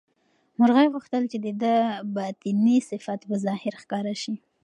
مرغۍ غوښتل چې د ده باطني صفت په ظاهر ښکاره شي.